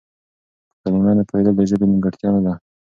په کلمه نه پوهېدل د ژبې نيمګړتيا نه ده.